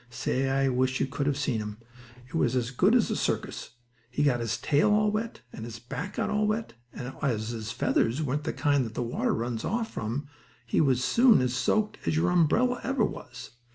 Say, I wish you could have seen him. It was as good as a circus! He got his tail all wet, and his back got all wet, and, as his feathers weren't the kind that water runs off from, he was soon as soaked as your umbrella ever was.